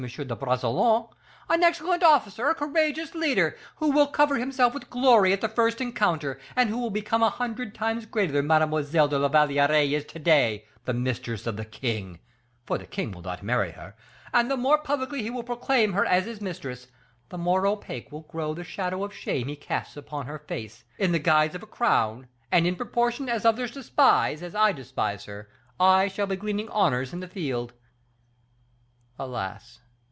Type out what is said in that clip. de Bragelonne, an excellent officer, a courageous leader, who will cover himself with glory at the first encounter, and who will become a hundred times greater than Mademoiselle de la Valliere is to day, the mistress of the king for the king will not marry her and the more publicly he will proclaim her as his mistress, the more opaque will grow the shadow of shame he casts upon her face, in the guise of a crown; and in proportion as others despise, as I despise her, I shall be gleaning honors in the field. Alas!